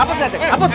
apus deh ceng apus deh